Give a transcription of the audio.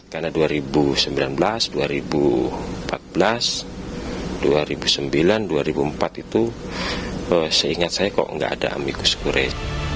karena dua ribu sembilan belas dua ribu empat belas dua ribu sembilan dua ribu empat itu seingat saya kok nggak ada amicus kuriae